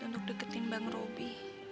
untuk deketin bang robi